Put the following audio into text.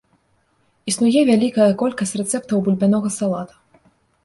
Існуе вялікая колькасць рэцэптаў бульбянога салата.